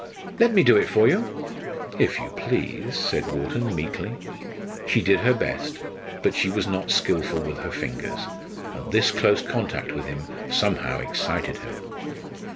"Let me do it for you." "If you please," said Wharton, meekly. She did her best, but she was not skilful with her fingers, and this close contact with him somehow excited her.